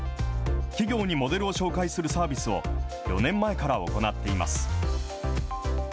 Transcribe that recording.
企業にモデルを紹介するサービスを、４年前から行っています。